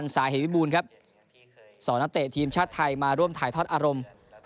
สาเหตุวิบูรณ์ครับ๒นักเตะทีมชาติไทยมาร่วมถ่ายทอดอารมณ์